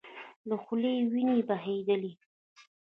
له خولې يې وينې بهيدلې.